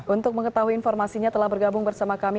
untuk mengetahui informasinya telah bergabung bersama kami